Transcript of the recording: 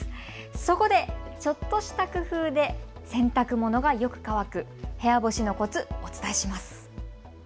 そこでちょっとした工夫で洗濯物がよく乾く部屋干しのコツ、お伝えします。